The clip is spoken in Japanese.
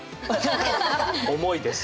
重いです。